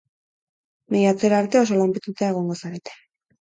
Maiatzera arte, oso lanpetuta egongo zarete.